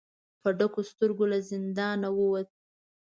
په ډکو سترګو له زندانه ووت.